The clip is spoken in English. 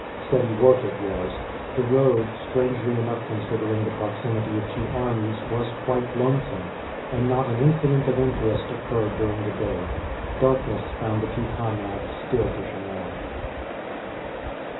Steady work it was. The road, strangely enough considering the proximity of two armies, was quite lonesome, and not an incident of interest occurred during the day. Darkness found the two comrades still pushing on.